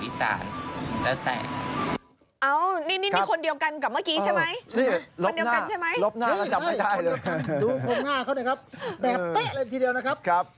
แบบเป๊ะอะไรทีเดียวนะครับ